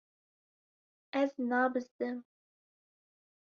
Ez nabizdim.